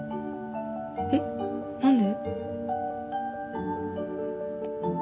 えっ何で？